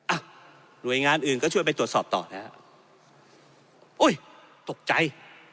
อ่ะหน่วยงานอื่นก็ช่วยไปตรวจสอบต่อนะฮะโอ้ยตกใจ